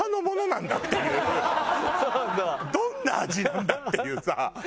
どんな味なんだ？っていうさ。